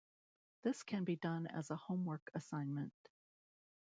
This can be done as a homework assignment.